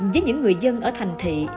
với những người dân ở thành thị